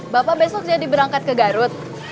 bapak besok jadi berangkat ke garut